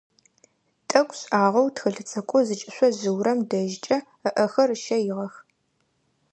Тӏэкӏу шӏагъэу тхылъ цӏыкӏоу зыкӏышъо жъыурэм дэжькӏэ ыӏэхэр ыщэигъэх.